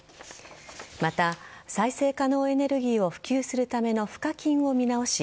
また、再生可能エネルギーを普及するための賦課金を見直し